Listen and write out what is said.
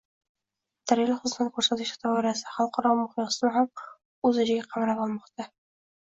Notarial xizmat ko‘rsatish doirasi xalqaro miqyosni ham o‘z ichiga qamrab olmoqda ng